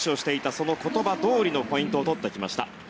その言葉どおりのポイントを取ってきました。